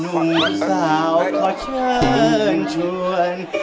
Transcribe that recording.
หนุ่มสาวขอเชิญชวน